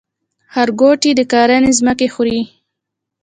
ښارګوټي د کرنې ځمکې خوري؟